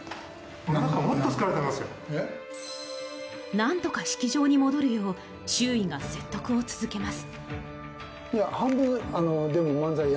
なんとか式場に戻るよう周囲が説得を続けます。